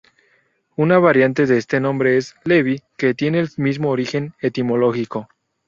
Una variante de este nombre es "Levy", que tiene el mismo origen etimológico.